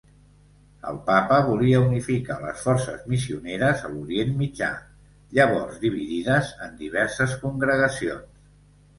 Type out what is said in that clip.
El Papa volia unificar les forces missioneres a l'Orient Mitjà, llavors dividides en diverses congregacions.